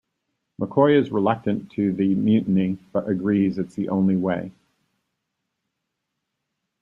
McCoy is reluctant to the mutiny, but agrees it's the only way.